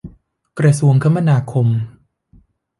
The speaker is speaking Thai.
กระทรวงคมนาคม